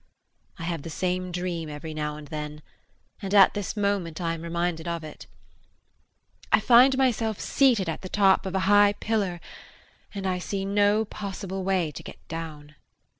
I have the same dream every now and then and at this moment I am reminded of it. I find myself seated at the top of a high pillar and I see no possible way to get down.